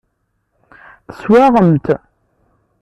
Teswaɣem-t.